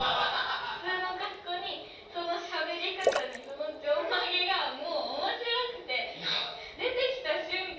普通の格好にそのしゃべり方にそのちょんまげがもうおもしろくて出てきた瞬間